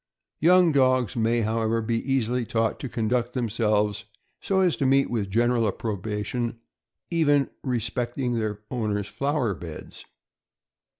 Young dogs may, however, be easily taught to conduct themselves so as to meet with general approbation, even respecting their owner's flower beds.